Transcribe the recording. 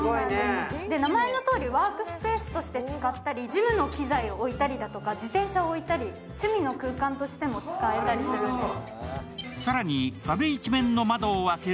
名前のとおりワークスペースとして使ったり、ジムの機材を置いたりだとか、自転車を置いたり趣味の空間として使えたりするんです。